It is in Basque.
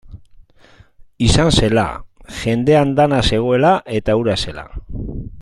Izan zela, jende andana zegoela eta hura zela.